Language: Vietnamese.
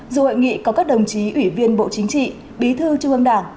dù hội nghị có các đồng chí ủy viên bộ chính trị bí thư trung ương đảng